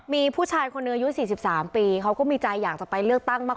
มีผู้ชายคนหนึ่งอายุ๔๓ปีเขาก็มีใจอยากจะไปเลือกตั้งมาก